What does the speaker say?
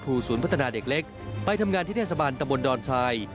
ศูนย์พัฒนาเด็กเล็กไปทำงานที่เทศบาลตะบนดอนทราย